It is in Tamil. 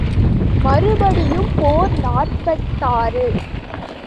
மறுபடியும் போர் நாற்பத்தாறு.